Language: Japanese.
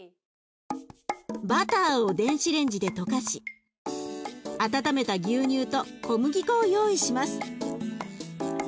バターを電子レンジで溶かし温めた牛乳と小麦粉を用意します。